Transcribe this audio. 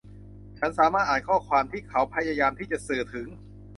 ฉันสามารถอ่านข้อความที่เขาพยายามที่จะสื่อถึง